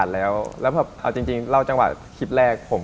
แล้วแบบเอาจริงเล่าจังหวะคลิปแรกผม